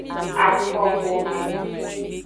Afoxome.